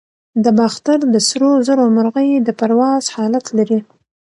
د باختر د سرو زرو مرغۍ د پرواز حالت لري